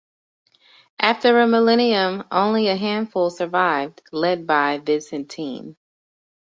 After a millennium, only a handful survived, led by Vicente.